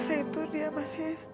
setur dia masih sd